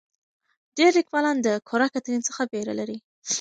ډېر لیکوالان د کره کتنې څخه ویره لري.